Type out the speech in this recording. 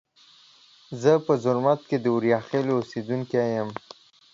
زه په زرمت کې د اوریاخیلو اوسیدونکي یم.